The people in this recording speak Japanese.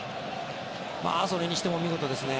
それにしても見事ですね。